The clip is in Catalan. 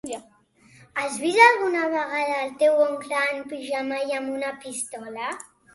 Has vist alguna vegada el teu oncle en pijama i amb una pistola?